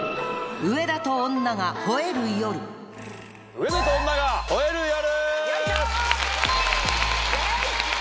『上田と女が吠える夜』！